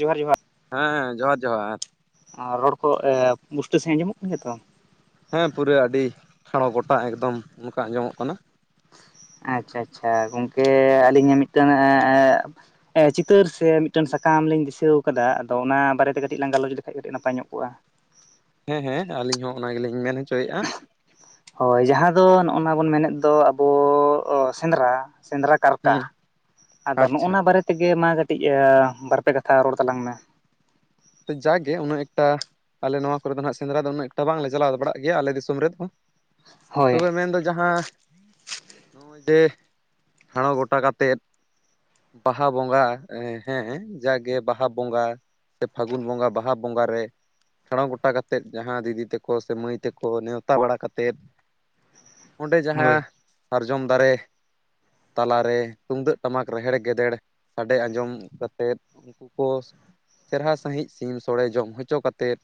ᱡᱚᱦᱟᱨ ᱡᱚᱦᱟᱨ ᱾ ᱦᱮᱸ ᱡᱚᱦᱟᱨ ᱡᱚᱦᱟᱨ ᱾ ᱮ ᱨᱚᱲ ᱠᱚ ᱮ, ᱸ ᱵᱩᱥᱴᱟᱹᱣ ᱥᱟᱺᱦᱤᱡ ᱟᱸᱡᱚᱢᱚᱜ ᱠᱟᱱ ᱜᱮᱭᱟ ᱥᱮ ᱵᱟᱝ? ᱦᱮᱸ ᱯᱩᱨᱟᱹ, ᱟᱹᱰᱤ ᱠᱷᱟᱲᱚ ᱜᱚᱴᱟ ᱮᱠᱫᱚᱢ ᱚᱱᱠᱟ ᱟᱸᱡᱚᱢᱚᱜ ᱠᱟᱱᱟ ᱾ ᱟᱪᱪᱷᱟ ᱟᱪᱪᱷᱟ ᱜᱚᱝᱠᱮ ᱟᱹᱞᱤᱧᱟᱜ ᱢᱤᱫᱴᱟᱹᱝᱼᱼ ᱮ ᱪᱤᱛᱟᱹᱨ ᱥᱮ ᱢᱤᱫᱴᱟᱹᱝ ᱥᱟᱛᱟᱢ ᱞᱤᱧ ᱫᱤᱥᱟᱹᱣ ᱠᱟᱫᱟ, ᱟᱫᱚ ᱚᱱᱟ ᱵᱟᱨᱮᱛᱮ ᱠᱟᱹᱴᱤᱡ ᱞᱟᱝ ᱜᱟᱞᱚᱪ ᱞᱮᱠᱷᱟᱡ ᱠᱟᱹᱴᱤᱡ ᱱᱟᱯᱟᱭ ᱧᱚᱜ ᱠᱚᱜᱼᱟ᱾ ᱦᱮᱸ ᱦᱮᱸ ᱟᱹᱞᱤᱧ ᱦᱚᱸ ᱚᱱᱟ ᱜᱮᱞᱤᱧ ᱢᱮᱱᱼᱼ ᱚᱪᱚᱭᱼᱟ᱾ ᱦᱳᱭ, ᱡᱟᱦᱟᱸ ᱫᱚ ᱱᱚᱜᱼ ᱱᱟ ᱵᱚᱱ ᱢᱮᱱᱮᱫ ᱫᱚ ᱟᱵᱚ ᱥᱮᱸᱫᱽᱨᱟ, ᱥᱮᱸᱫᱽᱨᱟᱼᱼ ᱠᱟᱨᱠᱟ, ᱦᱩᱸ ᱟᱫᱚ ᱟᱪᱪᱷᱟ ᱱᱚᱜᱼᱚᱱᱟ ᱵᱟᱨᱮ ᱛᱮᱜᱮ ᱢᱟ ᱠᱟᱹᱴᱤᱡ ᱮ ᱵᱟᱨᱯᱮ ᱠᱟᱛᱷᱟ ᱨᱚᱲ ᱛᱟᱞᱟᱝ ᱢᱮ ᱾ ᱡᱟᱜᱮ ᱩᱱᱟᱹᱜ ᱮᱠᱴᱟᱼᱼ ᱟᱞᱮ ᱱᱚᱣᱟ ᱠᱚᱨᱮ ᱫᱚ ᱦᱟᱸᱜ ᱥᱮᱸᱫᱽᱨᱟ ᱫᱚ ᱩᱱᱟᱹ ᱮᱠᱴᱟ ᱵᱟᱝᱞᱮ ᱪᱟᱞᱟᱣ ᱵᱟᱲᱟᱜ ᱜᱮᱭᱟᱞᱮ ᱫᱤᱥᱚᱢ ᱨᱮᱫᱚ ᱾ ᱦᱳᱭ ᱛᱚᱵᱮ ᱢᱮᱱᱫᱚ ᱡᱟᱦᱟᱸᱼᱼ ᱱᱚᱜᱼᱚᱭ ᱡᱮ, ᱴᱷᱟᱲᱚ ᱜᱚᱴᱟ ᱠᱟᱛᱮᱫᱼᱼ ᱵᱟᱦᱟ ᱵᱚᱸᱜᱟ ᱦᱮᱸ ᱦᱮᱸ ᱡᱟᱜᱮ ᱵᱟᱦᱟ ᱵᱚᱸᱜᱟᱼᱼ ᱥᱮ ᱯᱷᱟᱹᱜᱩᱱ ᱵᱚᱸᱜᱟ ᱵᱟᱦᱟ ᱵᱚᱸᱜᱟ ᱨᱮᱼᱼ ᱴᱷᱟᱲᱚ ᱜᱚᱴᱟ ᱠᱟᱛᱮᱫᱹ ᱡᱟᱦᱟᱸ ᱫᱤᱫᱤ ᱛᱮᱠᱚ ᱥᱮ ᱢᱟᱹᱭ ᱛᱮᱠᱚ ᱱᱮᱶᱛᱟ ᱵᱟᱲᱟ ᱠᱟᱛᱮᱫᱼᱼ ᱚᱸᱰᱮ ᱦᱳᱭ ᱡᱟᱦᱟᱸ, ᱥᱟᱨᱡᱚᱢ ᱫᱟᱨᱮᱼᱼ ᱛᱟᱞᱟᱨᱮ, ᱛᱩᱢᱫᱟᱹᱜ ᱴᱟᱢᱟᱠ ᱨᱮᱦᱮᱲ ᱜᱮᱡᱮᱲ ᱥᱟᱰᱮ ᱟᱸᱡᱚᱢ ᱠᱟᱛᱮᱫᱼᱼ [unintelligible] ᱪᱮᱨᱦᱟ ᱥᱟᱺᱦᱤᱡ ᱥᱤᱢ ᱥᱳᱲᱮ ᱡᱚᱢ ᱦᱚᱪᱚ ᱠᱟᱛᱮᱫᱼᱼ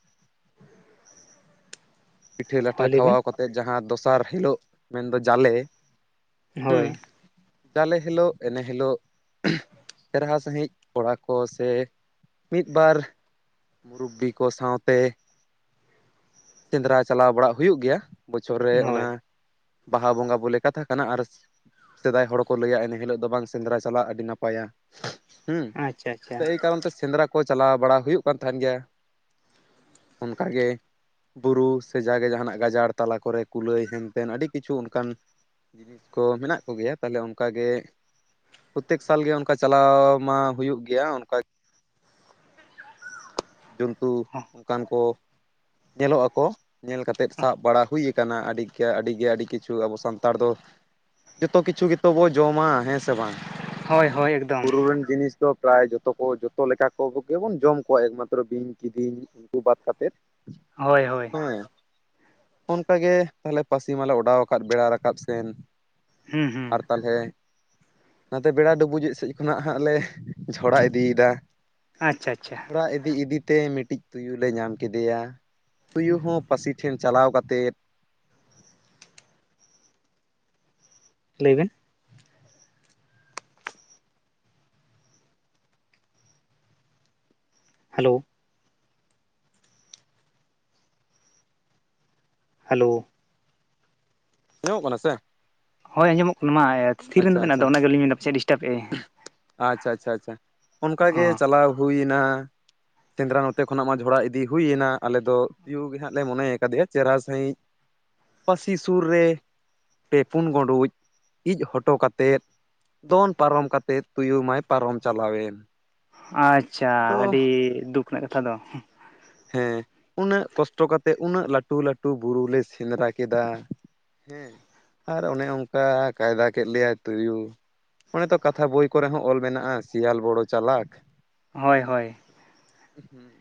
ᱯᱤᱴᱷᱟᱹ ᱞᱟᱴᱷᱟ ᱦᱳᱭ ᱞᱟᱹᱭ ᱵᱮᱱ ᱠᱷᱟᱣᱟᱣ ᱠᱟᱛᱮᱫ ᱡᱟᱦᱟᱸ ᱫᱚᱥᱟᱨ ᱦᱤᱞᱳᱜ, ᱢᱮᱱᱫᱚ ᱡᱟᱞᱮᱼᱼ ᱦᱩᱸ ᱦᱳᱭ ᱡᱟᱞᱮ ᱦᱤᱞᱳᱜ, ᱮᱱᱮ ᱦᱤᱞᱳᱜ, ᱪᱮᱨᱦᱟ ᱥᱟᱺᱦᱤᱡ ᱠᱚᱲᱟ ᱠᱚ ᱥᱮᱼᱼ ᱢᱤᱫ ᱵᱟᱨ ᱢᱩᱨᱩᱵᱽᱵᱤ ᱠᱚ ᱥᱟᱶᱛᱮᱼᱼ ᱥᱮᱸᱫᱽᱨᱟ ᱪᱟᱞᱟᱣ ᱵᱟᱲᱟᱜ ᱦᱩᱭᱩᱜ ᱜᱮᱭᱟ, ᱵᱚᱪᱷᱚᱨ ᱨᱮ ᱚᱱᱟᱼᱼ ᱦᱳᱭ ᱵᱟᱦᱟ ᱵᱚᱸᱜᱟ ᱵᱚᱞᱮ ᱠᱟᱛᱷᱟ ᱠᱟᱱᱟ ᱟᱨᱼᱼ ᱥᱮᱫᱟᱭ ᱦᱚᱲ ᱠᱚ ᱞᱟᱹᱭᱟ ᱤᱱᱟᱹ ᱦᱤᱞᱳᱜ ᱫᱚ ᱵᱟᱝ ᱥᱮᱸᱫᱽᱨᱟ ᱪᱟᱞᱟᱜ ᱟᱹᱰᱤ ᱱᱟᱯᱟᱭᱟ ᱾ ᱦᱩᱸ, ᱟᱪᱪᱷᱟ ᱟᱪᱪᱷᱟ ᱮᱭ ᱠᱟᱨᱚᱱ ᱛᱮ ᱥᱮᱸᱫᱽᱨᱟ ᱠᱚ ᱪᱟᱞᱟᱣ ᱵᱟᱲᱟ ᱦᱩᱭᱩᱜ ᱠᱟᱱ ᱛᱟᱸᱦᱮᱜ ᱜᱮᱭᱟ᱾ ᱚᱱᱠᱟ ᱜᱮᱼᱼ ᱵᱩᱨᱩ ᱥᱮ ᱡᱟᱜᱮ ᱡᱟᱦᱟᱱᱟᱜ ᱜᱟᱡᱟᱲ ᱛᱟᱞᱟ ᱠᱚᱨᱮ ᱠᱩᱞᱟᱹᱭ ᱦᱮᱱᱛᱮᱱ ᱟᱹᱰᱤ ᱠᱤᱪᱷᱩ ᱚᱱᱠᱟᱱᱼᱼ ᱠᱚ ᱢᱮᱱᱟᱜ ᱠᱚᱜᱮᱭᱟ, ᱛᱟᱦᱚᱞᱮ ᱚᱱᱠᱟᱜᱮᱼᱼ ᱯᱨᱚᱛᱛᱮᱠ ᱥᱟᱞ ᱜᱮ ᱚᱱᱠᱟ ᱪᱟᱞᱟᱣ ᱢᱟ ᱦᱩᱭᱩᱜ ᱜᱮᱭᱟ ᱚᱱᱠᱟ ᱾ ᱡᱚᱱᱛᱩᱼᱼ ᱦᱮᱸ [unintelligible] ᱚᱱᱠᱟᱱ ᱠᱚ ᱧᱮᱞᱚᱜ ᱟᱠᱚ, ᱧᱮᱞ ᱠᱟᱛᱮ ᱥᱟᱵ ᱵᱟᱲᱟ ᱦᱩᱭᱼᱼ ᱠᱟᱱᱟ ᱟᱹᱰᱤᱜᱮ ᱟᱹᱰᱤ ᱜᱮ ᱟᱹᱰᱤ ᱠᱤᱪᱷᱩ ᱟᱵᱚ ᱥᱟᱱᱛᱟᱲ ᱫᱚ ᱡᱚᱛᱚ ᱠᱤᱪᱷᱩ ᱜᱮᱛᱚ ᱵᱚ ᱡᱚᱢᱟ ᱦᱮᱸ ᱥᱮ ᱵᱟᱝ? ᱦᱳᱭ ᱦᱳᱭ ᱮᱠᱫᱚᱢ ᱵᱩᱨᱩ ᱨᱮᱱ ᱡᱤᱱᱤᱥ ᱫᱚ ᱯᱨᱟᱭ ᱡᱚᱛᱚ ᱠᱚ ᱡᱚᱛᱚ ᱞᱮᱠᱟ ᱠᱚ ᱜᱮ ᱵᱚᱱ ᱡᱚᱢ ᱠᱚᱣᱟ ᱮᱠᱢᱟᱛ ᱛᱨᱚ ᱵᱤᱧ ᱠᱤᱫᱤᱧ ᱩᱝᱠᱩ ᱵᱟᱫ ᱠᱟᱛᱮᱫ ᱦᱳᱭ ᱦᱳᱭ᱾ ᱦᱮᱸ, ᱚᱱᱠᱟᱜᱮ ᱛᱟᱦᱞᱮ ᱯᱟᱹᱥᱤ ᱢᱟᱞᱮ ᱚᱰᱟᱣ ᱟᱠᱟᱫ ᱵᱮᱲᱟ ᱨᱟᱠᱟᱵ ᱥᱮᱱ᱾ ᱦᱩᱸ ᱦᱩᱸ᱾ ᱛᱟᱞᱦᱮ ᱱᱟᱛᱮ ᱵᱮᱲᱟ ᱰᱩᱵᱩᱡᱚᱜ ᱥᱮᱡ ᱠᱷᱚᱱᱟᱜ ᱦᱟᱸᱜ ᱞᱮ ᱡᱷᱚᱲᱟ ᱤᱫᱤᱭᱮᱫᱟ᱾ ᱟᱪᱪᱷᱟ ᱟᱪᱪᱷᱟ ᱡᱷᱚᱲᱟ ᱤᱫᱤ ᱤᱫᱤᱛᱮ ᱢᱤᱴᱤᱡ ᱛᱩᱭᱩ ᱞᱮ ᱧᱟᱢ ᱠᱮᱫᱮᱭᱟ᱾ ᱛᱩᱭᱩ ᱦᱚᱸ ᱯᱟᱹᱥᱤ ᱴᱷᱮᱱ ᱪᱟᱞᱟᱣ ᱠᱟᱛᱮᱫ᱾ ᱞᱟᱹᱭ ᱵᱮᱱ᱾ ᱦᱮᱞᱳ᱾ ᱦᱮᱞᱳ᱾ ᱟᱸᱡᱚᱢᱚᱜ ᱠᱟᱱᱟ ᱥᱮ? ᱦᱳᱭ ᱟᱸᱡᱚᱜᱚᱜ ᱠᱟᱱᱟ ᱢᱟ ᱛᱷᱤᱨᱮᱱ ᱟᱪᱪᱷᱟ ᱫᱚ ᱵᱮᱱ, ᱟᱪᱪᱷᱟ ᱟᱫᱚ ᱚᱱᱟ ᱜᱮ ᱟᱞᱤᱧ ᱢᱮᱱᱫᱟ ᱯᱟᱪᱮᱫ ᱰᱤᱥᱴᱟᱯᱮᱜ-ᱮ᱾ ᱟᱪᱪᱷᱟ ᱟᱪᱪᱷᱟ ᱟᱪᱪᱷᱟ ᱚᱱᱠᱟᱜᱮ ᱚ ᱪᱟᱞᱟᱣ ᱦᱩᱭᱮᱱᱟ ᱥᱮᱸᱫᱽᱨᱟ ᱱᱚᱛᱮ ᱠᱷᱚᱱᱟᱜ ᱢᱟ ᱡᱷᱚᱲᱟ ᱤᱫᱤ ᱦᱩᱭᱱᱟ ᱟᱞᱮ ᱫᱚ ᱛᱩᱭᱩ ᱜᱮ ᱦᱟᱸᱜ ᱞᱮ ᱢᱚᱱᱮ ᱟᱠᱟᱫᱮᱭᱟ ᱪᱮᱦᱨᱟ ᱥᱟᱺᱦᱤᱡ ᱯᱟᱹᱥᱤ ᱥᱩᱨ ᱨᱮ ᱯᱮ ᱯᱩᱱ ᱜᱩᱸᱰᱩᱡ ᱤᱡ ᱦᱚᱴᱚ ᱠᱟᱛᱮᱫ, ᱫᱚᱱ ᱯᱟᱨᱚᱢ ᱠᱟᱛᱮᱫ ᱛᱩᱭᱩ ᱢᱟᱭ ᱯᱟᱨᱚᱢ ᱪᱟᱞᱟᱣᱮᱱ᱾ ᱟᱪᱪᱷᱟ ᱟᱫᱚ ᱟᱹᱰᱤ ᱫᱩᱠ ᱨᱮᱱᱟᱜ ᱠᱟᱛᱷᱟ ᱫᱚ᱾ ᱦᱮᱸ ᱩᱱᱟᱹᱜ ᱠᱚᱥᱴᱚ ᱠᱟᱛᱮᱜ ᱩᱱᱟᱹᱜ ᱞᱟᱹᱴᱩ ᱞᱟᱹᱴᱩ ᱵᱩᱨᱩ ᱞᱮ ᱥᱮᱸᱫᱽᱨᱟ ᱠᱮᱫᱟ ᱦᱮᱸ᱾ ᱦᱮᱸ, ᱟᱨ ᱚᱱᱮ ᱚᱝᱠᱟ ᱠᱟᱭᱫᱟ ᱠᱮᱫ ᱞᱮᱭᱟᱭ ᱛᱩᱭᱩ᱾ ᱚᱱᱮ ᱛᱚ ᱠᱟᱛᱷᱟ ᱵᱳᱭ ᱠᱚᱨᱮ ᱦᱚᱸ ᱚᱞ ᱢᱮᱱᱟᱜ-ᱟ ᱥᱮᱭᱟᱞ ᱵᱚᱲᱳ ᱪᱟᱞᱟᱠ᱾ ᱦᱳᱭ ᱦᱳᱭ᱾ ᱦᱩᱸ᱾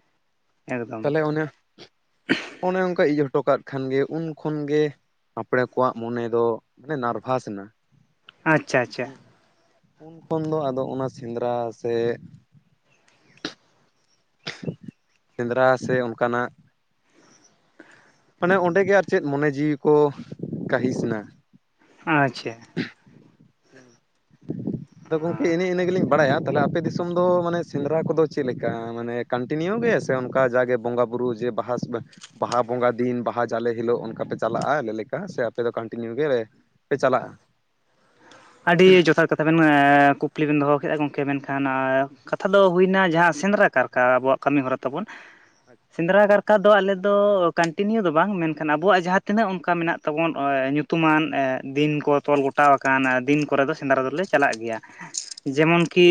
ᱮᱠᱫᱚᱢ ᱛᱟᱦᱚᱴᱞᱮ ᱚᱱᱮ, ᱚᱱᱮ ᱚᱝᱠᱟ ᱤᱡ ᱦᱚᱴᱚ ᱠᱟᱜ ᱠᱷᱟᱱᱜᱮ ᱩᱱ ᱠᱷᱚᱱ ᱜᱮ ᱟᱯᱚᱬᱮ ᱠᱚᱣᱟᱜ ᱢᱚᱱᱮ ᱫᱚ ᱢᱟᱱᱮ ᱱᱟᱨᱵᱷᱟᱥ ᱮᱱᱟ᱾ ᱟᱪᱪᱷᱟ ᱟᱪᱪᱷᱟ ᱦᱩᱸ, ᱩᱱ ᱠᱷᱚᱱ ᱫᱚ ᱟᱫᱚ ᱚᱱᱟ ᱥᱮᱸᱫᱽᱨᱟ ᱥᱮ ᱥᱮᱸᱫᱽᱨᱟ ᱥᱮ ᱚᱱᱠᱟᱱᱟᱜ ᱢᱟᱱᱮ ᱚᱸᱰᱮ ᱜᱮ ᱟᱨ ᱪᱮᱫ ᱢᱚᱱᱮ ᱡᱤᱣᱤ ᱠᱚ ᱠᱟᱹᱦᱤᱥ ᱱᱟ᱾ ᱟᱪᱪᱷᱟ᱾ ᱦᱩᱸ, ᱟᱫᱚ ᱜᱚᱝᱠᱮ ᱮᱱᱮ ᱤᱱᱟᱹ ᱜᱮᱞᱤᱧ ᱵᱟᱲᱟᱭᱟ᱾ ᱛᱟᱦᱞᱮ ᱟᱯ ᱟᱯᱮ ᱫᱤᱥᱚᱢ ᱫᱚ ᱢᱟᱱᱮ ᱥᱮᱸᱫᱽᱨᱟ ᱠᱚᱫᱚ ᱪᱮᱫ ᱞᱮᱠᱟ? ᱢᱟᱱᱮ ᱠᱚᱱᱴᱤᱱᱤᱭᱩ ᱜᱮ ᱥᱮ ᱚᱱᱠᱟ ᱡᱟᱜᱮ ᱵᱚᱸᱜᱟ ᱵᱩᱨᱩ ᱡᱮ ᱵᱟᱦᱟᱥ ᱵᱟᱦᱟ ᱵᱚᱸᱜᱟ ᱫᱤᱱ ᱵᱟᱦᱟ ᱡᱟᱞᱮ ᱦᱤᱞᱳᱜ ᱚᱱᱠᱟ ᱯᱮ ᱪᱟᱞᱟᱜ-ᱟ ᱟᱞᱮ ᱞᱮᱠᱟ ᱥᱮ ᱟᱯᱮ ᱫᱚ ᱠᱚᱱᱴᱤᱱᱤᱭᱩ ᱜᱮ ᱯᱮ ᱪᱟᱞᱟᱜ-ᱟ? ᱟᱹᱰᱤ ᱡᱚᱛᱷᱟᱛ ᱠᱟᱛᱷᱟ ᱵᱮᱱ ᱮᱸᱻ ᱠᱩᱠᱞᱤ ᱵᱮᱱ ᱫᱚᱦᱚ ᱠᱮᱜ-ᱟ ᱜᱚᱝᱠᱮ ᱢᱮᱱᱠᱷᱟᱱ ᱟᱸᱻ ᱠᱟᱛᱷᱟ ᱫᱚ ᱦᱩᱭᱱᱟ ᱡᱟᱦᱟᱸ ᱥᱮᱸᱫᱽᱨᱟ ᱠᱟᱨᱠᱟ ᱟᱵᱚᱣᱟᱜ ᱠᱟᱹᱢᱤ ᱦᱚᱨᱟ ᱛᱟᱵᱚᱱ, ᱥᱮᱸᱫᱽᱨᱟ ᱠᱟᱨ ᱠᱟ ᱫᱚ ᱟᱞᱮ ᱫᱚ ᱠᱚᱱᱴᱤᱱᱤᱭᱩ ᱫᱚ ᱵᱟᱝ ᱢᱮᱱᱠᱷᱟᱱ ᱟᱵᱚᱣᱟᱜ ᱡᱟᱦᱟᱸ ᱛᱤᱱᱟᱹᱜ ᱚᱱᱠᱟ ᱢᱮᱱᱟᱜ ᱛᱟᱵᱚᱱ ᱟ ᱧᱩ ᱛᱩᱢᱟᱱ ᱮᱸᱜ ᱫᱤᱱ ᱠᱚ ᱛᱚᱞ ᱜᱚᱴᱟᱣᱟᱠᱟᱱ ᱟᱨ ᱫᱤᱱ ᱠᱚᱨᱮᱫᱴ ᱫᱚ ᱥᱮᱸᱫᱽᱨᱟ ᱫᱚᱞᱮ ᱪᱟᱞᱟᱜ ᱜᱮᱭᱟ᱾ ᱡᱮᱢᱚᱱ ᱠᱤ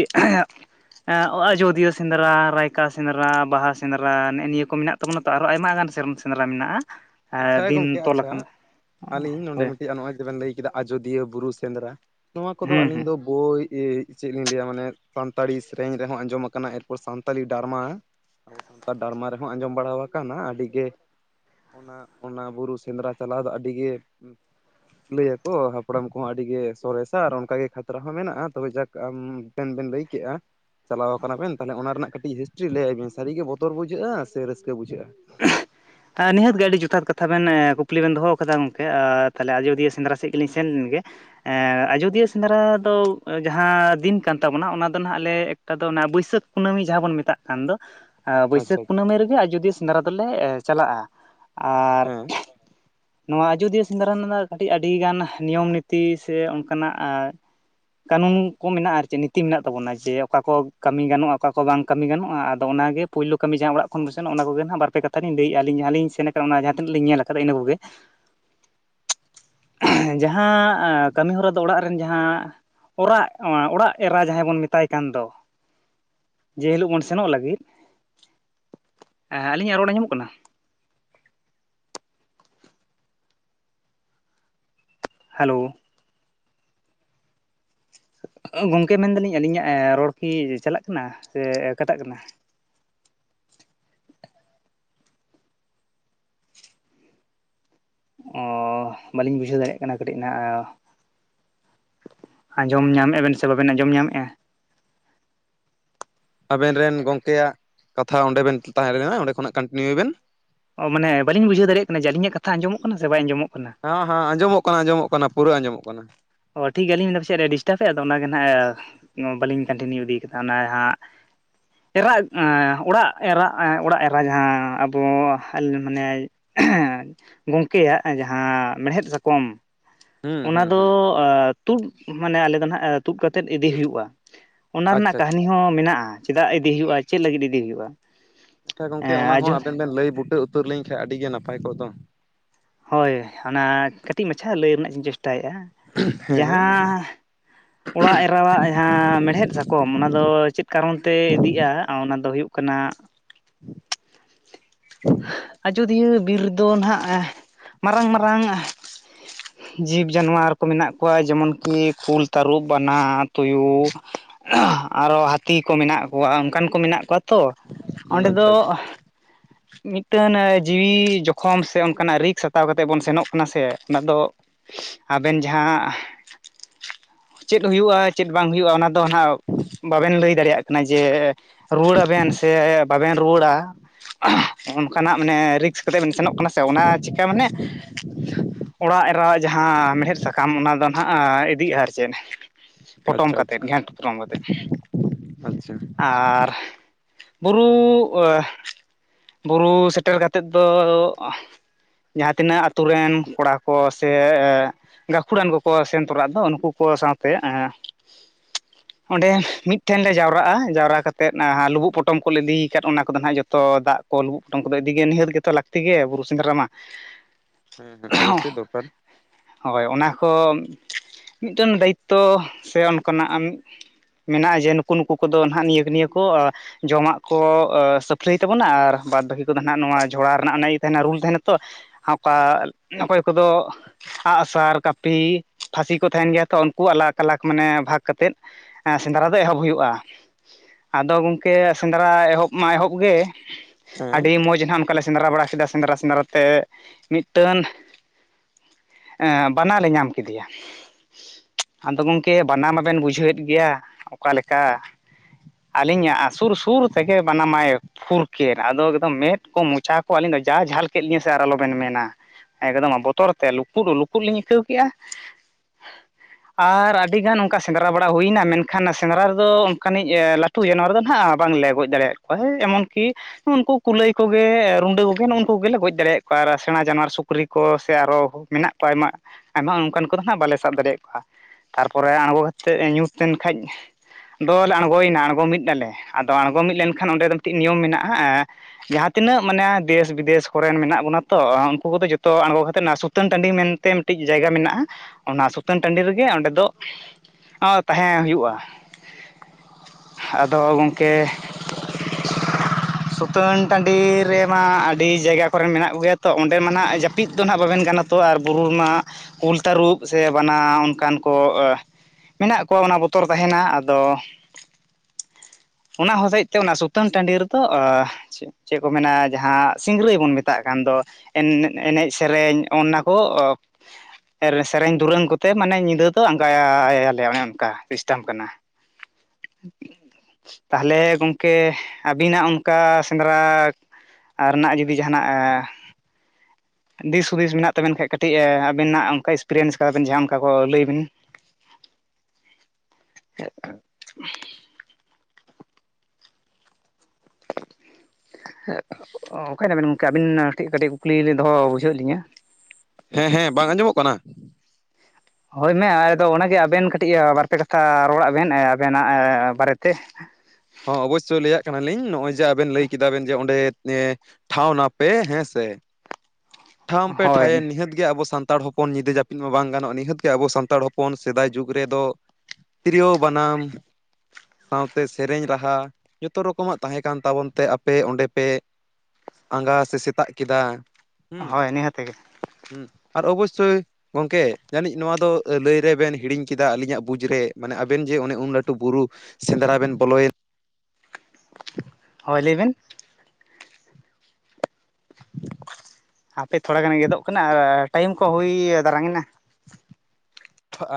ᱟᱡᱳᱫᱤᱭᱟᱹ ᱥᱮᱸᱫᱽᱨᱟ, ᱨᱟᱭᱠᱟ ᱥᱮᱸᱫᱽᱨᱟ, ᱵᱟᱦᱟ ᱥᱮᱸᱫᱽᱨᱟ ᱱᱮᱜ-ᱮ ᱱᱤᱭᱟᱹ ᱠᱚ ᱢᱮᱱᱟᱜ ᱛᱟᱵᱚᱱᱟ ᱛᱚ, ᱟᱨᱚ ᱟᱭᱢᱟ ᱜᱟᱱ ᱥᱮ ᱥᱮᱸᱫᱽᱨᱟ ᱢᱮᱱᱟᱜ-ᱟ ᱟᱻ ᱟᱪᱪᱷᱟ ᱫᱤᱱ ᱛᱚᱞᱟᱠᱟᱱ ᱡᱮ ᱱᱚᱜ-ᱚᱭ ᱡᱚᱫᱤ ᱵᱮᱱ ᱞᱟᱹᱭ ᱠᱮᱫᱟ ᱟᱡᱚᱫᱤᱭᱟᱹ ᱵᱩᱨᱩ ᱥᱮᱸᱫᱽᱨᱟ, ᱱᱚᱣᱟ ᱠᱚᱫᱚ ᱦᱩᱸ ᱟᱹᱞᱤᱧ ᱦᱩᱸ ᱫᱚ ᱵᱳᱭ ᱮᱻ ᱪᱮᱫ ᱞᱤᱧ ᱞᱟᱹᱭᱟ ᱢᱟᱱᱮ ᱥᱟᱱᱛᱟᱲᱤ ᱥᱮᱨᱮᱧ ᱨᱮᱦᱚᱸ ᱟᱸᱡᱚᱢ ᱟᱠᱟᱱᱟ ᱮᱨᱯᱚᱨ ᱥᱟᱱᱛᱟᱲᱤ ᱰᱟᱨᱢᱟ ᱟᱵᱚ ᱥᱟᱱᱛᱟᱲ ᱰᱟᱨᱢᱟ ᱨᱮᱦᱚᱸ ᱟᱸᱡᱚᱢ ᱵᱟᱲᱟᱣᱟᱠᱟᱱᱟ ᱟᱹᱰᱤ ᱜᱮ ᱚᱱᱟ ᱚᱱᱟ ᱵᱩᱨᱩ ᱥᱮᱸᱫᱽᱨᱟ ᱪᱟᱞᱟᱣ ᱫᱚ ᱟᱹᱰᱤ ᱜᱮ ᱞᱟᱹᱭᱟᱠᱚ ᱦᱟᱯᱲᱟᱢ ᱠᱚᱦᱚᱸ ᱟᱹᱰᱤ ᱜᱮ ᱥᱚᱨᱮᱥᱟ ᱟᱨ ᱚᱱᱠᱟᱜᱮ ᱠᱷᱟᱛᱨᱟ ᱦᱚᱸ ᱢᱮᱱᱟᱜᱼᱟ ᱛᱚᱵᱮ ᱡᱟᱠ ᱟᱢ ᱟᱵᱮᱱ ᱵᱮᱱ ᱞᱟᱹᱭ ᱠᱮᱜ-ᱟ ᱪᱟᱞᱟᱣ ᱠᱟᱱᱟ ᱵᱮᱱ, ᱛᱟᱦᱞᱮ ᱚᱱᱟ ᱨᱮᱱᱟᱜ ᱠᱟᱹᱴᱤᱡ ᱦᱤᱥᱴᱨᱤ ᱞᱟᱹᱭᱟᱭ ᱵᱤᱱ ᱥᱟᱹᱨᱜᱮ ᱵᱚᱛᱚᱨ ᱵᱩᱡᱷᱟᱹᱜ-ᱟ ᱥᱮ ᱨᱟᱹᱥᱠᱟᱹ ᱵᱩᱡᱷᱟᱹᱜ-ᱟ? ᱟ ᱱᱤᱦᱟᱹᱛ ᱜᱮ ᱟᱹᱰᱤ ᱡᱚᱛᱷᱟᱛ ᱠᱟᱛᱷᱟ ᱵᱮᱱ ᱮᱸ ᱠᱩᱠᱞᱤ ᱵᱮᱱ ᱫᱚᱦᱚᱣ ᱠᱟᱫᱟ ᱜᱚᱝᱠᱮ ᱟᱨ ᱛᱟᱦᱚᱞᱮ ᱟᱡᱚᱫᱤᱭᱟᱹ ᱥᱮᱸᱫᱽᱨᱟ ᱥᱮᱫ ᱜᱮᱞᱤᱧ ᱥᱮᱱ ᱞᱮᱱ ᱜᱮᱼᱼ ᱮᱸ ᱟᱡᱚᱫᱤᱭᱟᱹᱼᱼ ᱥᱮᱸᱫᱽᱨᱟ ᱫᱚ ᱚ ᱡᱟᱦᱟᱸ ᱫᱤᱱ ᱠᱟᱱ ᱛᱟᱵᱚ ᱱᱟ ᱚᱱᱟ ᱫᱚ ᱱᱟᱦᱟᱸᱜ ᱟᱞᱮ ᱮᱠᱴᱟ ᱫᱚ ᱚᱱᱟ ᱵᱟᱹᱭ ᱥᱟᱹᱠ ᱠᱩᱱᱟᱹᱢᱤ ᱡᱟᱦᱟᱸ ᱵᱚᱱ ᱢᱮᱛᱟᱜᱼᱼ ᱠᱷᱟᱱ ᱫᱚ ᱟᱻ ᱵᱟᱹᱭ ᱥᱟᱹᱠ ᱟᱪᱪᱷᱟ ᱠᱩᱱᱟᱹᱢᱤ ᱨᱮ ᱜᱮ ᱟᱡᱚᱫᱤᱭᱟᱹ ᱥᱮᱸᱫᱽᱨᱟ ᱫᱚᱞᱮ ᱮ ᱪᱟᱞᱟᱜ-ᱟ ᱟᱨᱼᱼ ᱦᱮᱸ ᱱᱚᱣᱟ ᱟᱡᱳᱫᱤᱭᱟᱹ ᱥᱮᱸᱫᱽᱨᱟ ᱨᱮᱱᱟᱜ ᱫᱚ ᱠᱟᱹᱴᱤᱡ ᱟᱹᱰᱤ ᱜᱟᱱ ᱱᱤᱭᱚᱢ ᱱᱤᱛᱤ ᱥᱮ ᱚᱱᱠᱟ ᱱᱟᱜ ᱟᱼᱼᱼ ᱠᱟᱱᱩᱱ ᱠᱚ ᱢᱮᱱᱟᱜ-ᱟ ᱟᱨ ᱪᱮᱫ ᱱᱤᱛᱤ ᱢᱮᱱᱟᱜ ᱛᱟᱵᱚ ᱱᱟ ᱡᱮ ᱚᱠᱟ ᱠᱚ ᱠᱟᱢᱤ ᱜᱟᱱᱚᱜ-ᱟ ᱚᱠᱟ ᱠᱚ ᱵᱟᱝ ᱠᱟᱢᱤ ᱜᱟᱱᱚᱜ-ᱟ ᱟᱫᱚ ᱚᱱᱟ ᱜᱮᱼᱼ ᱯᱩᱭᱞᱩ ᱠᱟᱹᱢᱤ ᱡᱟᱦᱟᱸ ᱚᱲᱟᱜ ᱠᱷᱚᱱ ᱵᱚ ᱥᱮᱱᱚᱜ ᱚᱱᱟ ᱯᱩᱭᱞᱳ ᱠᱟᱢᱤ ᱡᱟᱦᱟᱸ ᱚᱲᱟᱜ ᱠᱷᱚᱱ [unintelligible] ᱠᱚ ᱜᱮ ᱱᱟᱦᱟᱸᱜ ᱵᱟᱨ ᱯᱮ ᱠᱟᱛᱷᱟ ᱞᱤᱧ ᱞᱟᱹᱭᱮᱜ-ᱟ ᱟᱹᱞᱤᱧ ᱡᱟᱦᱟᱸ ᱞᱤᱧ ᱥᱮᱱ ᱟᱠᱟᱱᱟ ᱚᱱᱟ ᱡᱟᱦᱟᱸ ᱛᱤᱱᱟᱹᱜ ᱞᱤᱧ ᱧᱮᱞ ᱟᱠᱟᱫᱟ ᱤᱱᱟᱹ ᱠᱚ ᱜᱮ᱾ [inaudible] ᱡᱟᱦᱟᱸ ᱟᱸ ᱠᱟᱹᱢᱤ ᱦᱚᱨᱟ ᱫᱚ ᱚᱲᱟᱜ ᱨᱮᱱ ᱡᱟᱦᱟᱸᱼᱼ ᱚᱨᱟᱜ ᱮᱸ ᱚᱲᱟᱜ ᱮᱨᱟ ᱡᱟᱦᱟᱸᱭ ᱵᱚᱱ ᱢᱮᱛᱟᱭ ᱠᱟᱱ ᱫᱚᱼᱼ ᱡᱮ ᱦᱤᱞᱳᱜ ᱵᱩᱱ ᱥᱮᱱᱚᱜ ᱞᱟᱹᱜᱤᱫ ᱮᱸ ᱟᱞᱤᱧ ᱟᱜ ᱨᱚᱲ ᱟᱡᱚ ᱢᱚᱜ ᱠᱟᱱᱟ? ᱦᱮᱞᱳ᱾ ᱚ ᱜᱚᱝᱠᱮ ᱢᱮᱱ ᱫᱟᱞᱤᱧ ᱟᱹᱞᱤᱧ ᱟᱜ ᱮ ᱸ ᱨᱚᱲ ᱠᱤ ᱪᱟᱞᱟᱜ ᱠᱟᱱᱟ ᱥᱮ ᱠᱟᱴᱟᱜ ᱠᱟᱱᱟ? ᱚ ᱵᱟᱹᱞᱤᱧ ᱵᱩᱡᱷᱟᱹᱣ ᱫᱟᱲᱮᱜ ᱠᱟᱱᱟ ᱠᱟᱹᱴᱤᱡ ᱱᱟᱦᱟᱸᱜ ᱚᱻᱼᱼ ᱟᱸᱡᱚᱢ ᱧᱟᱢᱮᱜ-ᱟ ᱵᱮᱱ ᱥᱮ ᱵᱟ ᱵᱮᱱ ᱟᱸᱡᱚᱢ ᱧᱟᱢᱮᱜ-ᱟ? ᱟᱵᱮᱱ ᱨᱮᱱ ᱜᱚᱝᱠᱮ ᱭᱟᱜ ᱠᱟᱛᱷᱟ ᱚᱸᱰᱮ ᱵᱮᱱ ᱛᱟᱦᱮᱸ ᱞᱮᱱᱟ ᱚᱸᱰᱮ ᱠᱷᱚ ᱱᱟᱜ ᱠᱟᱱᱴᱤ ᱱᱤᱭᱩᱭ ᱵᱮᱱ᱾ ᱚ ᱢᱟᱱᱮ ᱵᱟᱹᱞᱤᱧ ᱵᱩᱡᱷᱟᱹᱣ ᱫᱟᱲᱮ ᱭᱟᱜ ᱠᱟᱱᱟ ᱡᱮ ᱟᱹᱞᱤᱧᱟᱜ ᱠᱟᱛᱷᱟ ᱟᱸᱡᱚ ᱢᱚᱜ ᱠᱟᱱᱟ ᱥᱮ ᱵᱟᱭ ᱟᱸᱡᱚ ᱢᱚᱜ ᱠᱟᱱᱟ? ᱦᱮᱸ ᱦᱮᱸ ᱟᱸᱡᱚ ᱢᱚᱜ ᱠᱟᱱᱟ ᱟᱸᱡᱚ ᱢᱚᱜ ᱠᱟᱱᱟ ᱯᱩᱨᱟᱹ ᱟᱸᱡᱚ ᱢᱚᱜ ᱠᱟᱱᱟ᱾ ᱚ ᱴᱷᱤᱠ ᱜᱮᱭᱟ ᱟᱹᱞᱤᱧ ᱢᱮᱱ ᱵᱟᱥᱮᱜ ᱨᱮ ᱰᱤᱥ ᱴᱟᱵ ᱮᱜ-ᱟ ᱟᱫᱚ ᱚᱱᱟ ᱜᱮ ᱱᱟᱦᱟᱸᱜ ᱚᱻᱚᱸ ᱵᱟᱹᱞᱤᱧ ᱠᱟᱱᱴᱤ ᱱᱤᱭᱩ ᱤᱫᱤ ᱠᱟᱫᱟ ᱚᱱᱟ ᱦᱟᱸᱜ᱾ [unintelligible] ᱚᱸᱻ ᱚᱲᱟᱜ ᱮᱨᱟᱜ ᱚᱸ ᱚᱲᱟᱜ ᱮᱨᱟ ᱡᱟᱦᱟᱸ ᱟᱵᱚ [unintelligible] ‌ ᱢᱟᱱᱮᱼᱼ ᱜᱚᱝᱠᱮ ᱭᱟᱜ ᱡᱟᱦᱟᱸ ᱢᱮᱬᱦᱮᱫ ᱥᱟᱠᱚᱢᱼᱼ ᱦᱩᱸ ᱚᱱᱟ ᱦᱩᱸ ᱫᱚ ᱦᱩᱸ ᱚᱻ ᱛᱩᱫ ᱢᱟᱱᱮ ᱟᱞᱮ ᱫᱚ ᱱᱟ ᱦᱟᱸᱜ ᱛᱩᱫ ᱠᱟᱛᱮᱜ ᱤᱫᱤ ᱦᱩᱭᱩᱜ-ᱟ᱾ ᱚᱱᱟ ᱨᱮᱱᱟᱜ ᱟᱪᱪᱷᱟ ᱟᱪᱪᱷᱟ ᱠᱟᱦᱱᱤ ᱦᱚᱸ ᱢᱮᱱᱟᱜ-ᱟ ᱪᱮᱫᱟᱜ ᱤᱫᱤ ᱦᱩᱭᱩᱜ-ᱟ ᱪᱮᱫ ᱞᱟᱹᱜᱤᱫ ᱤᱫᱤ ᱦᱩᱭᱩᱜ-ᱟ᱾ ᱟᱪᱪᱷᱟ ᱜᱚᱝᱠᱮ ᱚᱱᱟ ᱦᱚᱸ ᱟᱵᱮᱱ ᱵᱮᱱ ᱞᱟᱹᱭ ᱵᱩᱴᱟᱹ ᱩᱛᱟᱹᱨ ᱞᱤᱧ ᱠᱷᱟᱡ ᱟᱹᱰᱤ ᱜᱮ ᱱᱟᱯᱟᱭ ᱠᱚᱜ ᱫᱚ᱾ ᱦᱚᱭ ᱚᱱᱟ ᱠᱟᱹᱴᱤᱡ ᱢᱟᱪᱷᱟ ᱞᱟᱹᱭ ᱨᱮᱱᱟᱜ ᱤᱧ ᱪᱮᱥᱴᱟ ᱭᱮᱜ-ᱟ᱾ ᱦᱮᱸ ᱦᱮᱸ ᱡᱟᱦᱟᱸ ᱚᱲᱟᱜ ᱮᱨᱟ ᱣᱟᱜᱼᱼ ᱡᱟᱦᱟᱸ ᱢᱮᱬᱦᱮᱫ ᱥᱟᱠᱚᱢ ᱚᱱᱟ ᱫᱚ ᱪᱮᱫ ᱠᱟ ᱨᱚᱱ ᱛᱮ ᱤᱫᱤᱜ-ᱟ ᱚᱱᱟ ᱫᱚ ᱦᱩᱭᱩᱜ ᱠᱟᱱᱟ᱾ [inaudible] ᱟᱡᱳ ᱫᱤᱭᱟᱹ ᱵᱤᱨ ᱫᱚ ᱱᱟ ᱦᱟᱸᱜ ᱮ ᱢᱟᱨᱟᱝ ᱢᱟᱨᱟᱝᱼᱼ ᱡᱤᱵᱽ ᱡᱟᱱ ᱣᱟᱨ ᱠᱚ ᱢᱮᱱᱟᱜ ᱠᱚᱣᱟ ᱡᱮᱢᱚᱱ ᱠᱤ ᱠᱩᱞ ᱛᱟᱨᱩᱵ ᱵᱟᱱᱟ ᱛᱩᱭᱩ᱾ ᱟᱨᱚ ᱦᱟᱛᱤ ᱠᱚ ᱢᱮᱱᱟᱜ ᱠᱚᱣᱟ ᱚᱱ ᱠᱟᱱ ᱠᱚ ᱢᱮᱱᱟᱜ ᱠᱚᱣᱟ ᱛᱚ ᱚᱸᱰᱮ ᱟᱪᱪᱷᱟ ᱫᱚᱼᱼ ᱟᱪᱪᱷᱟ ᱢᱤᱫ ᱴᱟᱹᱱ ᱡᱤᱣᱤ ᱡᱚ ᱠᱷᱚᱱ ᱥᱮ ᱚᱱᱠᱟ ᱱᱟᱜ ᱨᱤᱠᱥ ᱦᱟᱛᱟᱣ ᱠᱟᱛᱮᱜ ᱵᱚᱱ ᱥᱮ ᱱᱚᱜ ᱠᱟᱱᱟ ᱥᱮ ᱚᱱᱟ ᱫᱚ᱾ ᱟᱵᱮᱱ ᱡᱟᱦᱟᱸ ᱪᱮᱫ ᱦᱩᱭᱩᱜ-ᱟ ᱪᱮᱫ ᱵᱟᱝ ᱦᱩᱭᱩᱜ-ᱟ ᱚᱱᱟ ᱫᱚ ᱱᱟ ᱦᱟᱸᱜᱼᱼ ᱵᱟ ᱵᱮᱱ ᱞᱟᱹᱭ ᱫᱟᱲᱮ ᱭᱟᱜ ᱠᱟᱱᱟ ᱡᱮ ᱨᱩᱣᱟᱹᱲ ᱟᱵᱮᱱ ᱥᱮ ᱵᱟ ᱵᱮᱱ ᱨᱩᱣᱟᱹᱲ ᱟ᱾ ᱱᱚᱜ-ᱚ ᱱᱚᱠᱟ ᱱᱟᱜ ᱢᱟᱱᱮ ᱨᱤᱠᱥ ᱠᱟ ᱛᱮᱜ ᱵᱮᱱ ᱥᱮ ᱱᱚᱜ ᱠᱟᱱᱟ ᱥᱮ ᱚᱱᱟ ᱪᱮᱠᱟ ᱢᱟᱱᱮᱼᱼ ᱚᱲᱟᱜ ᱮᱨᱟ ᱣᱟᱜ ᱡᱟᱦᱟᱸ ᱢᱮᱬᱦᱮᱫ ᱥᱟᱠᱟᱢ ᱚᱱᱟ ᱫᱚ ᱱᱟ ᱦᱟᱸᱜ ᱚᱻ ᱤᱫᱤᱜᱼᱟ ᱟᱨ ᱪᱮᱫ᱾ ᱯᱚᱴᱚᱢ ᱟᱪᱪᱷᱟ ᱠᱟ ᱛᱮᱫ ᱟᱪᱪᱷᱟ ᱜᱷᱮᱸᱴ ᱯᱚ ᱴᱚᱢ ᱠᱟᱛᱮᱜ᱾ ᱟᱪᱪᱷᱟ ᱟᱨ ᱵᱩᱨᱩ ᱚᱣᱚᱼᱼ ᱵᱩᱨᱩ ᱥᱮᱴᱮᱨ ᱠᱟ ᱛᱮᱫ ᱫᱚᱼᱼ ᱡᱟᱦᱟᱸ ᱛᱤᱱᱟᱹᱜ ᱟᱛᱳ ᱨᱮᱱ ᱠᱚᱲᱟ ᱠᱚ ᱥᱮᱼᱼ ᱜᱟᱠᱷᱩ ᱲᱟᱱ ᱠᱚ ᱠᱚ ᱥᱮᱱ ᱛᱚᱨᱟᱜ ᱫᱚ ᱩᱱᱠᱩ ᱠᱚ ᱥᱟᱶ ᱛᱮ ᱮᱸᱼᱼ [inaudible] ᱚᱸᱰᱮ ᱢᱤᱫ ᱴᱷᱮᱱ ᱞᱮ ᱡᱟᱣ ᱨᱟᱜ-ᱟ ᱡᱟᱣᱨᱟ ᱠᱟᱛᱮᱫ ᱟᱸᱻ ᱞᱩᱵᱩᱜ ᱯᱚᱴᱚᱢ ᱠᱚᱞᱮ ᱤᱫᱤ ᱠᱟᱫ ᱚᱱᱟ ᱠᱚ ᱫᱚ ᱱᱟᱦᱟᱸᱜ ᱡᱷᱚᱛᱚ ᱫᱟᱜᱼᱼ ᱠᱚ ᱞᱩᱵᱩᱜ ᱯᱚᱴᱚᱢ ᱠᱚ ᱫᱚ ᱤᱫᱤ ᱜᱮ ᱱᱤᱦᱟᱹᱛ ᱜᱮ ᱛᱚ ᱞᱟᱠᱛᱤ ᱜᱮᱭᱟ ᱵᱩᱨᱩ ᱥᱮᱸᱫᱽᱨᱟ ᱢᱟ᱾ ᱦᱮᱸ ᱦᱮᱸ ᱚᱵᱚᱥ ᱥᱳᱭ ᱫᱚᱨ ᱠᱟᱨ᱾ ᱦᱚᱭ ᱚᱱᱟ ᱠᱚ ᱢᱤᱫ ᱴᱮᱱ ᱫᱟᱭᱤᱛᱛᱚ ᱥᱮ ᱚᱱᱠᱟ ᱱᱟᱜ ᱮᱢᱼᱼ ᱢᱮᱱᱟᱜ-ᱟ ᱡᱮ ᱱᱩᱠᱩ ᱱᱩᱠᱩ ᱠᱚ ᱫᱚ ᱱᱟ ᱦᱟᱸᱜ ᱱᱤᱭᱟᱹ ᱱᱤᱭᱟᱹ ᱠᱚᱼᱼ ᱡᱚᱢᱟᱜ ᱠᱚ ᱚ [unintelligible] ᱛᱟᱵᱚ ᱱᱟ ᱟᱨᱼᱼ ᱵᱟᱫᱽ ᱵᱟᱹᱠᱤ ᱠᱚ ᱫᱚ ᱱᱟ ᱦᱟᱸᱜ ᱱᱚᱣᱟ ᱡᱷᱚᱲᱟ ᱨᱮᱱᱟᱜ ᱚᱱᱮ ᱤᱭᱟᱹ ᱛᱟᱦᱮᱱᱟ ᱨᱩᱞ ᱛᱟᱦᱮ ᱱᱟ ᱛᱚ [unintelligible] ‌ ᱠᱟ ᱚᱠᱚᱭ ᱠᱚ ᱫᱚᱼᱼ ᱟᱸᱜᱼᱥᱟᱨ ᱠᱟᱹᱯᱤ ᱯᱷᱟᱥᱤ ᱠᱚ ᱛᱟᱦᱮᱱ ᱜᱮ ᱭᱟ ᱛᱚ ᱩᱱᱠᱩ ᱟᱞᱟᱠ ᱟᱞᱟᱠ ᱢᱟᱱᱮ ᱵᱷᱟᱜᱽ ᱠᱟᱛᱮᱫ ᱮᱸ ᱥᱮᱸᱫᱽᱨᱟ ᱫᱚ ᱮᱦᱚᱵ ᱦᱩᱭᱩᱜᱼᱟ᱾ ᱟᱫᱚ ᱜᱚᱝᱠᱮ ᱥᱮᱸᱫᱽᱨᱟ ᱮᱦᱚᱵ ᱢᱟ ᱮᱦᱚᱵ ᱜᱮ ᱦᱮᱸ ᱟᱹᱰᱤ ᱢᱚᱡᱽ ᱦᱟᱸᱜ ᱚᱠᱟ ᱞᱮ ᱥᱮᱸᱫᱽᱨᱟ ᱵᱟᱲᱟ ᱠᱮᱫᱟ ᱥᱮᱸᱫᱽᱨᱟ ᱥᱮᱸᱫᱽᱨᱟ ᱛᱮ ᱢᱤᱫᱴᱮᱱ ᱮᱸ ᱵᱟᱱᱟ ᱞᱮ ᱧᱟᱢ ᱠᱮᱫᱮᱭᱟ, ᱟᱫᱚ ᱜᱚᱢᱠᱮ ᱵᱟᱱᱟ ᱢᱟᱵᱮᱱ ᱵᱩᱡᱷᱟᱹᱣᱮᱫ ᱜᱮᱭᱟ ᱚᱠᱟᱮ ᱞᱮᱠᱟ? ᱟᱹᱞᱤᱧᱟᱜ ᱥᱩᱨ ᱥᱩᱨ ᱛᱮᱜᱮ ᱵᱟᱱᱟᱢᱟᱭ ᱯᱷᱩᱨᱠᱮᱛ᱾ ᱟᱫᱚ ᱮᱠᱫᱚᱢ ᱢᱮᱫ ᱠᱚ ᱢᱚᱪᱟ ᱠᱚ ᱟᱹᱞᱤᱧ ᱫᱚ ᱡᱟ ᱡᱷᱟᱞ ᱠᱮᱫ ᱞᱤᱧᱟᱹ ᱥᱮ ᱟᱨ ᱟᱞᱚᱵᱮᱱ ᱢᱮᱱᱟ᱾ ᱮᱠᱫᱚᱢ ᱵᱚᱛᱚᱨ ᱛᱮ ᱞᱩ ᱞᱩᱯᱩᱜᱫ ᱞᱤᱧ ᱟᱹᱭᱠᱟᱹᱣ ᱠᱮᱫᱮᱜᱼᱟ, ᱟᱨ ᱟᱹᱰᱤᱜᱟᱱ ᱚᱱᱠᱟ ᱥᱮᱸᱫᱽᱨᱟ ᱵᱟᱲᱟ ᱦᱩᱭᱱᱟ, ᱢᱮᱱᱠᱷᱟᱱ ᱥᱮᱸᱫᱽᱨᱟ ᱨᱮᱫᱚ ᱚᱱᱠᱟᱱᱤᱡ ᱞᱟ ᱴᱩ ᱡᱟᱱᱣᱟᱨ ᱫᱚ ᱱᱟᱦᱟᱸᱜ ᱵᱟᱝᱞᱮ ᱜᱚᱡ ᱫᱟᱲᱮᱭᱟᱜ ᱠᱚᱣᱟ ᱮᱢᱚᱱ ᱠᱤ ᱩᱱᱠᱩ ᱠᱩᱞᱟᱹᱭ ᱠᱚᱜᱮ ᱨᱩᱰᱟᱹ ᱠᱚᱜᱮ ᱱᱚᱜᱼ ᱩᱱᱠᱩᱜᱮᱞᱮ ᱜᱚᱡ ᱫᱟᱲᱮᱭᱟᱜ ᱠᱚᱣᱟ ᱥᱮᱬ ᱡᱟᱱᱣᱟᱨ ᱥᱩᱠᱨᱤ ᱠᱚ ᱥᱮ ᱟᱨᱚ ᱢᱮᱱᱟᱜ ᱠᱚᱣᱟ ᱟᱭᱢᱟ ᱟᱭᱢᱟ ᱚᱱᱠᱟᱱ ᱠᱚᱫᱚ ᱦᱜ ᱵᱟᱞᱮ ᱥᱟᱵ ᱫᱟᱲᱮᱭᱟᱜ ᱠᱚᱣᱟ᱾ ᱛᱟᱨᱯᱚᱨᱮ ᱟᱬᱜᱚ ᱠᱟ ᱠᱟᱛᱮᱫ ᱧᱩᱛ ᱛᱮᱱ ᱠᱷᱟᱸᱡ ᱫᱚ ᱞᱮ ᱟᱬᱜᱚᱭᱮᱱᱟ ᱟᱬᱜᱚ ᱢᱤᱫ ᱱᱟᱞᱮ, ᱟᱫᱚ ᱟᱬᱜᱚ ᱢᱤᱫ ᱞᱮᱱᱠᱷᱟᱱ ᱚᱸᱰᱮ ᱫᱚ ᱢᱤᱫᱴᱤᱡ ᱱᱤᱭᱚᱢ ᱢᱮᱱᱟᱜᱼᱟ ᱡᱟᱦᱟᱸ ᱛᱤᱱᱟᱹᱜ ᱢᱟᱱᱮ ᱫᱮᱥ ᱵᱤᱫᱮᱥ ᱠᱚᱨᱮᱱ ᱢᱮᱱᱟᱜ ᱵᱚᱱᱟ ᱛᱚ ᱩᱱᱠᱩ ᱠᱚᱫᱚ ᱡᱚᱛᱚ ᱟᱬᱜᱚ ᱠᱟᱛᱮ ᱱᱚᱣᱟ ᱥᱩᱛᱟᱹᱱ ᱴᱟᱺᱰᱤ ᱢᱮᱱᱛᱮ ᱴᱤᱡ ᱡᱟᱭᱜᱟ ᱢᱮᱱᱟᱜᱼᱟ ᱚᱱᱟ ᱥᱩᱛᱟᱹᱱ ᱴᱟᱺᱰᱤ ᱨᱮᱜᱮ ᱚᱸᱰᱮ ᱫᱚ ᱚ ᱛᱟᱦᱮᱸ ᱦᱩᱭᱩᱜᱼᱟ, ᱟᱫᱚ ᱜᱚᱝᱠᱮ ᱥᱩᱛᱟᱹᱱ ᱴᱟᱺᱰᱤ ᱨᱮᱢᱟ ᱟᱹᱰᱤ ᱡᱟᱭᱜᱟ ᱠᱚᱨᱮᱱ ᱢᱮᱱᱟᱜ ᱠᱚᱜᱮᱭᱟ ᱛᱚ ᱚᱸᱰᱮ ᱢᱟ ᱱᱟᱦᱟᱸᱜ ᱡᱟᱹᱯᱤᱫ ᱫᱚ ᱱᱟᱦᱟᱸᱜ ᱵᱟᱵᱮᱱ ᱜᱟᱱᱚᱜ ᱛᱚ ᱟᱨ ᱵᱩᱨᱩ ᱨᱮᱱᱟᱜ ᱩᱞ ᱛᱟᱹᱨᱩᱵ ᱥᱮ ᱵᱟᱱᱟᱨ ᱚᱱᱠᱟᱱ ᱠᱚ ᱢᱮᱱᱟᱜ ᱠᱚᱣᱟ ᱚᱱᱟ ᱵᱚᱛᱚᱨ ᱛᱟᱦᱮᱱᱟ, ᱟᱫᱚ ᱚᱱᱟ ᱦᱚᱛᱮᱡ ᱛᱮ ᱚᱱᱟ ᱥᱩᱛᱟᱹᱱ ᱴᱟᱺᱰᱤ ᱨᱮᱫᱚ ᱪᱮᱫ ᱠᱚ ᱢᱮᱱᱟ ᱡᱟᱦᱟᱸ ᱥᱤᱝᱨᱟᱹᱭ ᱵᱚᱱ ᱢᱮᱛᱟᱜ ᱠᱟᱱ ᱫᱚ, ᱮᱱᱱᱮ ᱥᱮᱨᱮᱧ ᱚᱱᱟᱠᱚ ᱥᱮᱨᱮᱧ ᱫᱩᱨᱟᱹᱝ ᱠᱚᱛᱮ ᱢᱟᱱᱮ ᱧᱤᱫᱟᱹ ᱫᱚ ᱟᱸᱜᱟᱭᱟᱞᱮ ᱚᱱᱮ ᱚᱱᱠᱟ ᱥᱤᱥᱴᱮᱢ ᱠᱟᱱᱟ, ᱛᱟᱦᱚᱞᱮ ᱜᱚᱝᱠᱮ ᱟᱵᱤᱱᱟᱜ ᱚᱱ ᱠᱟ ᱥᱮᱸᱫᱽᱨᱟ ᱟᱨᱮᱱᱟᱜ ᱡᱩᱫᱤ ᱡᱟᱦᱟᱱᱟᱜ ᱟ ᱫᱤᱥ ᱦᱩᱫᱤᱥ ᱢᱮᱱᱟᱜ ᱛᱟᱵᱮᱱ ᱠᱷᱟᱱᱡ ᱠᱟᱹᱴᱤᱡ ᱟᱵᱤᱱᱟᱜ ᱚᱱᱠᱟ ᱮᱠᱥᱯᱨᱤᱭᱮᱱᱥ ᱠᱟᱫᱟᱵᱮᱱ ᱡᱟᱦᱟᱸ ᱚᱱᱠᱟ ᱠᱚ ᱞᱟᱹᱭ ᱵᱤᱱ᱾ [inaudible] ᱚᱠᱟᱭ ᱱᱟᱵᱮᱱ ᱜᱚᱢᱠᱮ ᱟᱹᱵᱤᱱ ᱴᱷᱤᱡ ᱠᱟᱹᱴᱤᱡ ᱠᱩᱠᱞᱤ ᱫᱚᱦᱚ ᱵᱩᱡᱷᱟᱹᱣᱮᱫ ᱞᱤᱧᱟ᱾ ᱦᱮᱸ ᱦᱮᱸ ᱵᱟᱝ ᱟᱸᱡᱚᱢᱚᱜ ᱠᱟᱱᱟ? ᱦᱳᱭ ᱢᱮ ᱟᱫᱚ ᱚᱱᱟᱜᱮ ᱟᱵᱮᱱ ᱠᱟᱹᱴᱤᱡ ᱵᱟᱨᱯᱮ ᱠᱟᱛᱷᱟ ᱨᱚᱲᱟᱜ ᱵᱮᱱ ᱟᱵᱮᱱᱟᱜ ᱵᱟᱨᱮᱛᱮ᱾ ᱦᱚᱸ ᱚᱵᱚᱥᱥᱳ ᱞᱟᱹᱭᱟᱜ ᱠᱟᱱᱟᱞᱤᱧ ᱱᱚᱜᱼᱚᱭ ᱡᱮ ᱟᱵᱮᱱ ᱞᱟᱹᱭ ᱠᱮᱫᱟ ᱵᱮᱱ ᱡᱮ ᱚᱸᱰᱮ ᱴᱷᱟᱶ ᱱᱟᱯᱮ ᱦᱮᱸᱥᱮ ᱴᱷᱟᱶ ᱯᱮ ᱦᱳᱭ ᱴᱷᱟᱭᱮᱱ ᱱᱤᱦᱟᱹ ᱜᱮ ᱟᱵᱚ ᱥᱛ ᱦᱚ ᱯᱚᱱ ᱧᱤᱫᱟᱹ ᱡᱟᱹᱯᱤᱫ ᱢᱟ ᱵᱟᱝ ᱜᱟᱱᱚᱜᱼᱟ, ᱱᱤᱦᱟᱹᱛ ᱜᱮ ᱟᱵᱚ ᱥᱟᱱᱛᱟᱲ ᱦᱚᱯᱚᱱ ᱥᱮᱫᱟᱭ ᱡᱩᱜᱽ ᱨᱮᱫᱚ ᱛᱤᱨᱭᱳ, ᱵᱟᱱᱟᱢ ᱥᱟᱶᱛᱮ ᱥᱮᱨᱮᱧ, ᱨᱟᱦᱟ ᱡᱚᱛᱚ ᱨᱚᱠᱚᱢᱟᱜ ᱛᱟᱦᱮᱸ ᱠᱟᱱ ᱛᱟᱵᱚᱱ ᱛᱮ ᱟᱯᱮ ᱚᱸᱰᱮ ᱯᱮ ᱟᱸᱜᱟ ᱥᱮ ᱥᱮᱛᱟᱜ ᱠᱮᱫᱟ, ᱦᱩᱸ ᱦᱳᱭ ᱱᱤᱦᱟᱹᱛ ᱜᱮ᱾ ᱦᱩᱸ ᱟᱨ ᱚᱵᱚᱥᱳᱭ ᱜᱚᱝᱠᱮ ᱡᱟᱹᱱᱤᱡ ᱱᱚᱣᱟ ᱫᱚ ᱞᱟᱹᱭ ᱨᱮᱵᱮᱱ ᱦᱤᱲᱤᱧ ᱠᱮᱫᱟ ᱟᱹᱞᱤᱧᱟᱜ ᱵᱩᱡᱽ ᱨᱮ ᱢᱟᱱᱮ ᱟᱵᱮᱱ ᱡᱮ ᱚᱱᱮ ᱩᱱ ᱞᱟᱹᱴᱩ ᱵᱩᱨᱩ ᱥᱮᱸᱫᱽᱨᱟ ᱵᱮᱱ ᱵᱚᱞᱚᱭᱮ ᱦᱳᱭ ᱞᱟᱹᱭᱵᱮᱱ᱾ ᱦᱟᱯᱮ ᱛᱷᱚᱲᱟ ᱜᱟᱱ ᱜᱮᱫᱚᱜ ᱠᱟᱱᱟ ᱟᱨ ᱴᱟᱭᱤᱢ ᱠᱚ ᱦᱩᱭ ᱫᱟᱨᱟᱝᱱᱟ,